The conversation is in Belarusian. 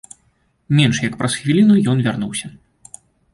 Менш як праз хвіліну ён вярнуўся.